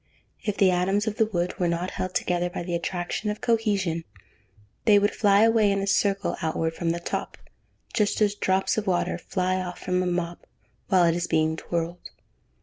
If the atoms of the wood were not held together by the attraction of cohesion, they would fly away in a circle outward from the top, just as drops of water fly off from a mop, while it is being twirled.